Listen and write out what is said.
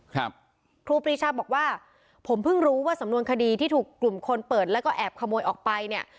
ครูปรีชาบอกว่าผมเพิ่งรู้ว่าสำนวนคดีที่ถูกกลุ่มคนเปิดแล้วก็แอบขโมยออกไปเนี่ย